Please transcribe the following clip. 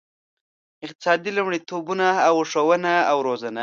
اقتصادي لومړیتوبونه او ښوونه او روزنه.